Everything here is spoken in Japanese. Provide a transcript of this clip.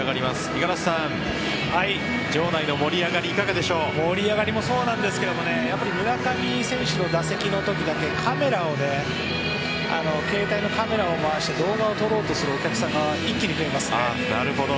五十嵐さん場内の盛り上がり盛り上がりもそうですが村上選手の打席のときだけ携帯のカメラを回して動画を撮ろうとするお客さんが一気に増えますね。